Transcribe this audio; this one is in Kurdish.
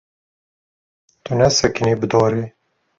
Tu nesekinî bi dorê.